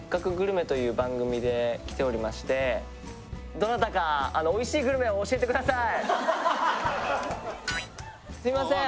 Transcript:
どなたかおいしいグルメを教えてください